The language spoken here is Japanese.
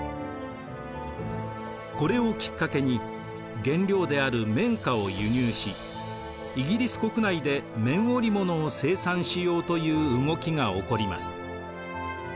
これをきっかけに原料である綿花を輸入しイギリス国内で綿織物を生産しようという動きが起こります。